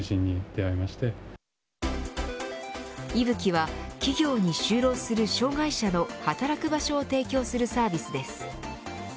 ＩＢＵＫＩは企業に就労する障がい者の働く場所を提供するサービスです。